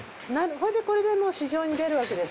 ほんでこれでもう市場に出るわけですね。